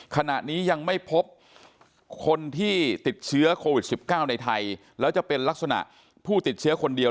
ขณะนี้ยังไม่พบคนที่ติดเชื้อโควิด๑๙ในไทยแล้วจะเป็นลักษณะผู้ติดเชื้อคนเดียว